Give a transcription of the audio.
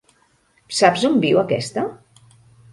Saps on viu aquesta.?